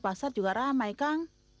pasar juga ramai kang